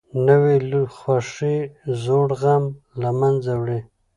نوې خوښي زوړ غم له منځه وړي